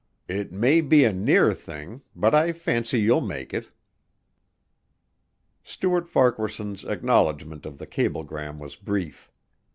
"It may be a near thing, but I fancy you'll make it." Stuart Farquaharson's acknowledgment of the cablegram was brief.